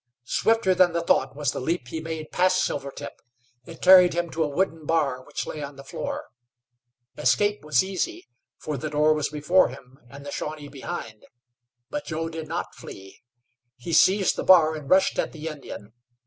Swifter than the thought was the leap he made past Silvertip. It carried him to a wooden bar which lay on the floor. Escape was easy, for the door was before him and the Shawnee behind, but Joe did not flee! He seized the bar and rushed at the Indian.